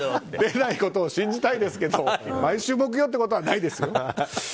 出ないことを信じたいですけど毎週木曜ってことはないです。